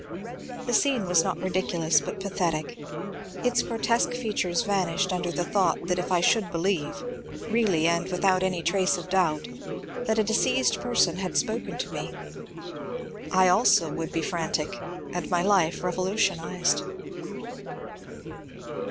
The scene was not ridiculous but pathetic ; its grotesque features vanished under the thought that if I should believe — really, and witb> out any trace of doubt — that a deceased person had spoken to me, I also would be frantic, and my life revolutionized.